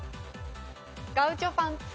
ガウチョパンツ。